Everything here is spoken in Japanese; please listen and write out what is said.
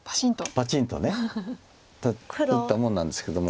パチンと打ったもんなんですけども。